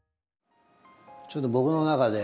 ちょっと僕の中で。